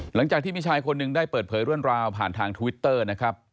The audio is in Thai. หลังจากที่มีชายคนหนึ่งได้เปิดเผยเรื่องราวผ่านทางทวิตเตอร์นะครับ